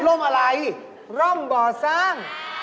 อะไรร่มบ่อสร้าง